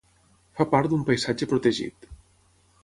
Fa part d'un paisatge protegit.